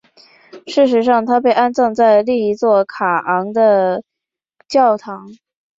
事实上她被安葬在另一座卡昂的教堂。